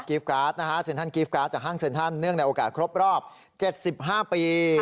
การ์ดนะฮะเซ็นทันกรีฟการ์ดจากห้างเซ็นทันเนื่องในโอกาสครบรอบ๗๕ปี